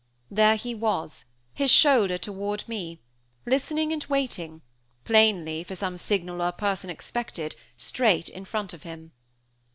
There he was, his shoulder toward me, listening and watching, plainly, for some signal or person expected, straight in front of him.